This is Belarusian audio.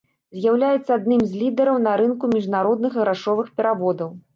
З'яўляецца адным з лідараў на рынку міжнародных грашовых пераводаў.